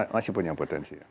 masih punya potensi